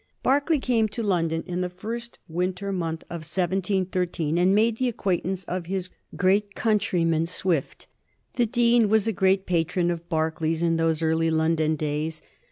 Berkeley came to London in the first winter month of 1713, and made the acquaintance of his great country man Swift. The Dean was a great patron of Berkeley's in those early London days.